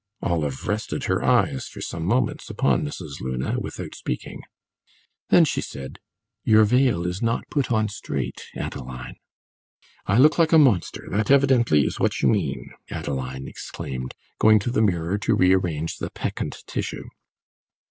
Olive rested her eyes for some moments upon Mrs. Luna, without speaking. Then she said: "Your veil is not put on straight, Adeline." "I look like a monster that, evidently, is what you mean!" Adeline exclaimed, going to the mirror to rearrange the peccant tissue.